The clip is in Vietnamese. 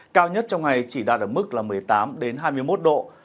cao nhất trong ngày chỉ đạt ở mức là một mươi tám hai mươi một độ